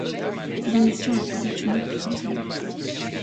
L'émission a pu continuer plusieurs années.